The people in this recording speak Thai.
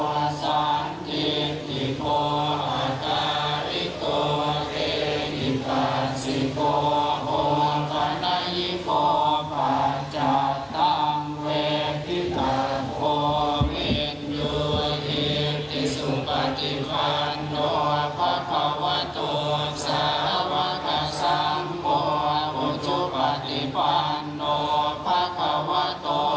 อาหิร์สะพะเขาะโตสะพะกะสังโบอาหุ่นไหยยงอาหุ่นไหยยงหักอินไหยยงอันจริการะหิวอาหนุทรัพพุทธิ์อิตังโรกสัตติ